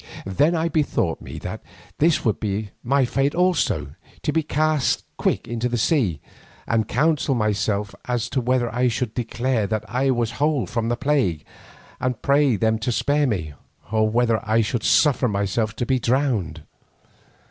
Then I bethought me that this would be my fate also, to be cast quick into the sea, and took counsel with myself as to whether I should declare that I was whole from the plague and pray them to spare me, or whether I should suffer myself to be drowned.